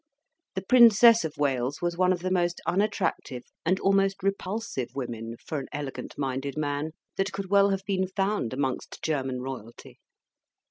The Princess of Wales was one of the most unattractive and almost repulsive women for an elegant minded man that could well have been found amongst German royalty.